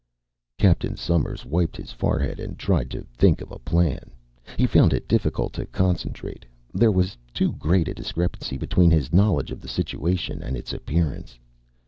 Captain Somers wiped his forehead and tried to think of a plan. He found it difficult to concentrate. There was too great a discrepancy between his knowledge of the situation and its appearance.